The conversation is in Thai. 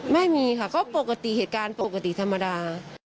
ไม่มีค่ะก็ปกติเหตุการณ์ปกติธรรมดา